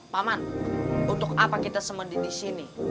paman untuk apa kita semua di sini